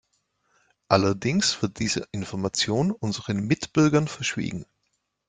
Allerdings wird diese Information unseren Mitbürgern verschwiegen.